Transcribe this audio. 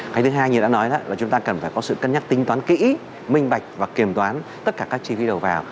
cái thứ hai như đã nói là chúng ta cần phải có sự cân nhắc tính toán kỹ minh bạch và kiểm toán tất cả các chi phí đầu vào